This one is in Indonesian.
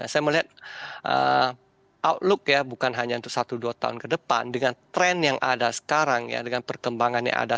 saya melihat outlook ya bukan hanya untuk satu dua tahun ke depan dengan tren yang ada sekarang ya dengan perkembangan yang ada